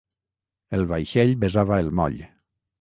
El vaixell besava el moll.